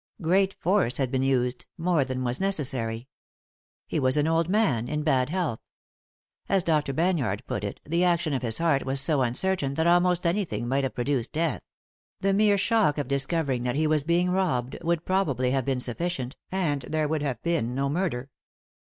Great force had been used ; more than was necessary. He was an old man, in bad health. As Dr. Banyard put it, the action of his heart was so uncertain that almost anything might have produced death ; the mere shock of discovering that he was being robbed would probably have been sufficient, and there would have been no murder.